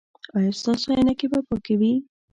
ایا ستاسو عینکې به پاکې وي؟